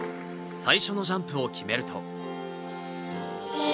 最初のジャンプを決めると。